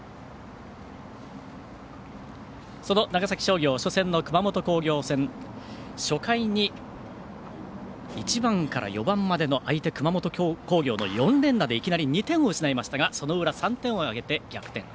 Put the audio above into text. その長崎商業、初戦の熊本工業戦初回に１番から４番までの相手、熊本工業の４連打でいきなり２点を失いましたがその裏３点を挙げて逆転。